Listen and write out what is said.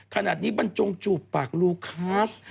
ขนาดนี้บรรจงจูบปากลูคัส